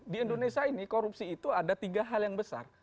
di indonesia ini korupsi itu ada tiga hal yang besar